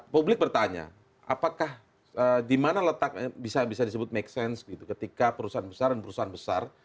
publik bertanya apakah di mana letaknya bisa disebut make sense gitu ketika perusahaan besar dan perusahaan besar